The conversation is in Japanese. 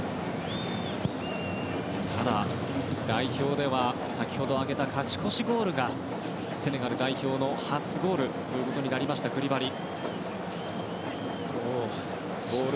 ただ、代表では先ほど挙げた勝ち越しゴールがセネガル代表の初ゴールとなったクリバリ。